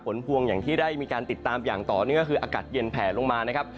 พวงอย่างที่ได้มีการติดตามอย่างต่อเนื่องก็คืออากาศเย็นแผลลงมานะครับ